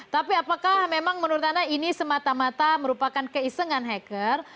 tapi apakah memang menurut anda ini semata mata merupakan keisengan hacker